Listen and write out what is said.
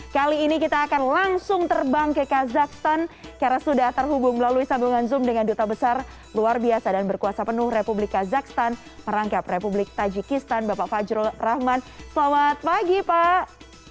kali ini kita akan langsung terbang ke kazakhstan karena sudah terhubung melalui sambungan zoom dengan duta besar luar biasa dan berkuasa penuh republik kazakhstan merangkap republik tajikistan bapak fajrul rahman selamat pagi pak